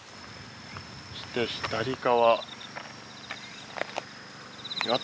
そして左側。